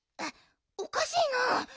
おかしいな。